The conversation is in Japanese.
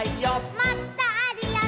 「もっとあるよね」